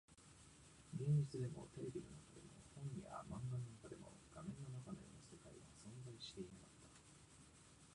現実でも、テレビの中でも、本や漫画の中でも、画面の中のような世界は存在していなかった